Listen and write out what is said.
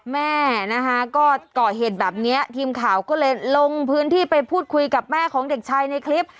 แม่นะคะก็ก่อเหตุแบบนี้ทีมข่าวก็เลยลงพื้นที่ไปพูดคุยกับแม่ของเด็กชายในคลิป